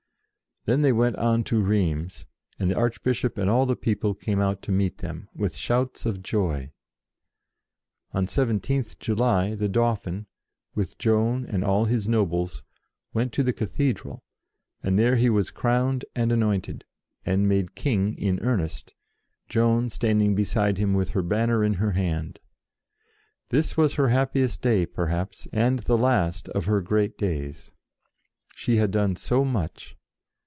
Then they went on to Rheims, and the Archbishop and all the people came out to meet them, with shouts of joy. On iTth July the Dauphin, with Joan and all his nobles, went to the Cathedral, and there he was crowned and anointed, and made King in earnest, Joan standing beside him with her banner in her hand. This was her happiest day, perhaps, and the last of her great days. She had done so much!